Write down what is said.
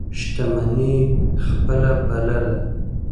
شتمني یې خپله بلله.